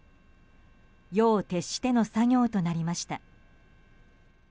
夜を徹しての作業となりました。